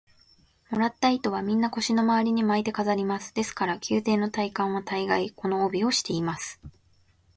もらった糸は、みんな腰のまわりに巻いて飾ります。ですから、宮廷の大官は大がい、この帯をしています。